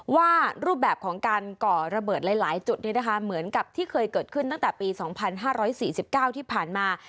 ว่ารูปแบบของการก่อระเบิดหลายหลายจุดนี้นะคะเหมือนกับที่เคยเกิดขึ้นตั้งแต่ปีสองพันห้าร้อยสี่สิบเก้าที่ผ่านมา